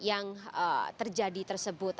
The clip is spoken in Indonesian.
penyerangan yang terjadi tersebut